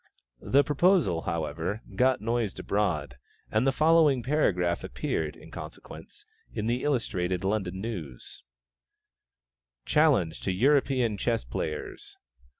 The proposal, however, got noised abroad, and the following paragraph appeared, in consequence, in the Illustrated London News: "CHALLENGE TO EUROPEAN CHESS PLAYERS."